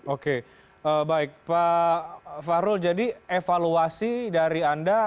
oke baik pak fahrul jadi evaluasi dari anda